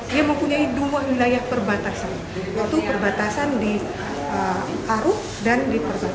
dia mempunyai dua wilayah perbatasan yaitu perbatasan di arut dan di perbatasan